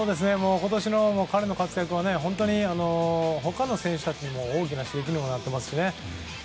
今年の彼の活躍は本当に他の選手たちにも大きな刺激にもなってますし。